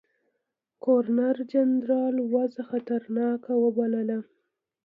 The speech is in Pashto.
ګورنرجنرال وضع خطرناکه وبلله.